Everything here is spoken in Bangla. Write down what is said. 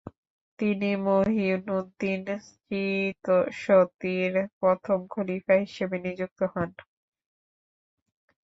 তিনি মঈনুদ্দিন চিশতির প্রথম খলিফা হিসেবে নিযুক্ত হন।